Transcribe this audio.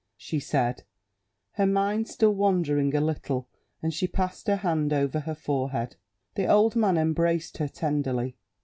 she said, her mind still wandering a littler and she passed her hand over her forehead. The old man embraced her tenderly.